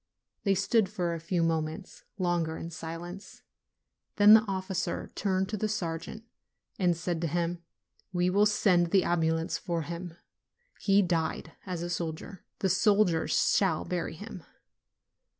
They stood for a few moments longer in silence; then the officer turned to the sergeant and said to him, 'We will send the ambulance for him : he died as a soldier; the soldiers shall bury him."